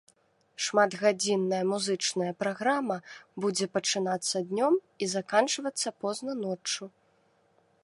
Шматгадзінная музычная праграма будзе пачынацца днём і заканчвацца позна ноччу.